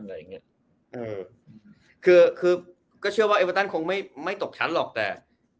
อะไรอย่างงี้อืมคือคือก็เชื่อว่ามันคงไม่ไม่ตกชั้นหรอกแต่